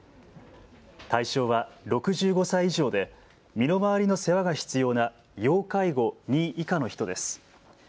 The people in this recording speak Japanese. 対象は６５歳以上で身の回りの世話が必要な要介護２以下の人です。